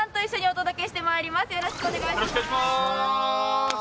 お願いしまーす。